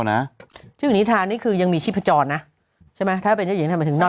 นะชื่อนิทานี่คือยังมีชีพจรนะใช่ไหมถ้าเป็นเหมือนถึงนอน